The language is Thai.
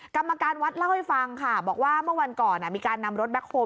กรรมการวัดเล่าให้ฟังค่ะบอกว่าเมื่อวันก่อนมีการนำรถแคคโฮล